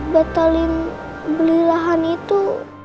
batalin beli lahan itu